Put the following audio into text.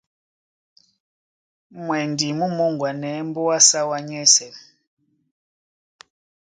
Mwɛndi mú mōŋgwanɛɛ́ mbóa á sáwá nyɛ́sɛ̄.